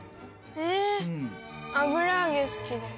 え油揚げ好きです。